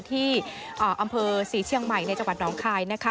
ที่อำเภอศรีเชียงใหม่ในจังหวัดน้องคายนะคะ